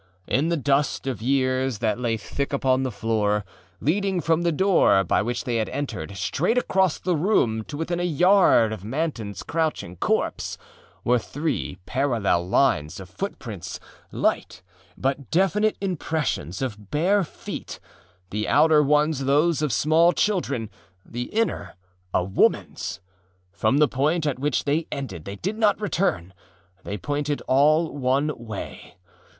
In the dust of years that lay thick upon the floorâleading from the door by which they had entered, straight across the room to within a yard of Mantonâs crouching corpseâwere three parallel lines of footprintsâlight but definite impressions of bare feet, the outer ones those of small children, the inner a womanâs. From the point at which they ended they did not return; they pointed all one way.